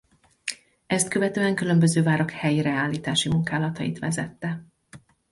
Ezt követően különböző várak helyreállítási munkálatait vezette.